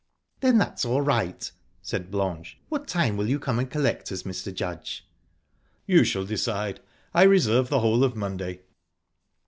"Then that's all right," said Blanche. "What time will you come and collect us, Mr. Judge?" "You shall decide. I reserve the whole of Monday."